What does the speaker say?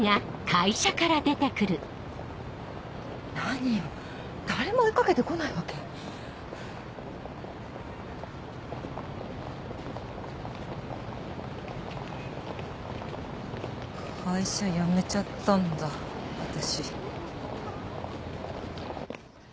会社辞めちゃったんだ私。